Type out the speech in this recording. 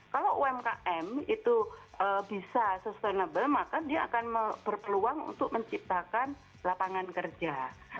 kalau umkm itu bisa sustainable maka dia akan berpeluang untuk menciptakan lapangan kerja